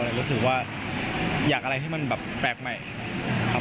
เรารู้สึกว่าอยากอะไรที่มันแปลกใหม่ครับ